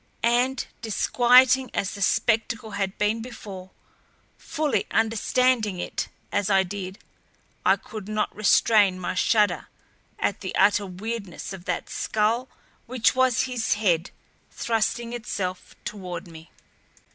And disquieting as the spectacle had been before, fully understanding it as I did, I could not restrain my shudder at the utter weirdness of that skull which was his head thrusting itself toward me.